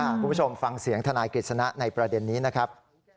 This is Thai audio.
คุณผู้ชมฟังเสียงทนายกฤษณะในประเด็นนี้นะครับ